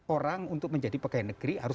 orang untuk menjadi pegawai negeri harus